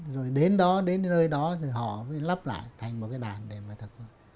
rồi đến đó đến nơi đó rồi họ mới lắp lại thành một cái đàn để mà thực hợp